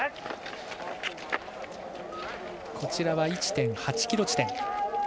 こちらは１．８ｋｍ地点。